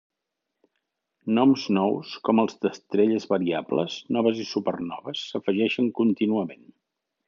Noms nous, com els d'estrelles variables, noves i supernoves, s'afegeixen contínuament.